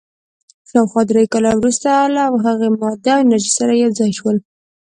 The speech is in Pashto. شاوخوا درېلکه کاله وروسته له هغې، ماده او انرژي سره یو ځای شول.